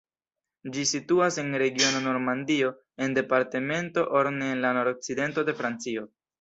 Ĝi situas en regiono Normandio en departemento Orne en la nord-okcidento de Francio.